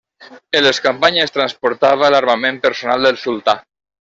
En les campanyes transportava l'armament personal del sultà.